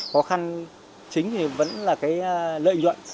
khó khăn chính thì vẫn là cái lợi nhuận